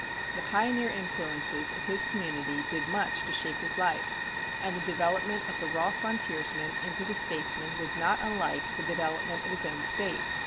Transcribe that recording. The pioneer influences of his community did much to shape his life, and the development of the raw frontiersman into the statesman was not unlike the development of his own State.